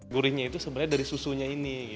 gurihnya itu sebenarnya dari susunya ini